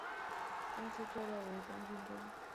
公司坐落于东京都。